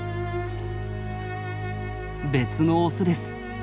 別のオスです。